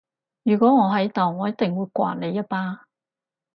如果我喺度我一定會摑你一巴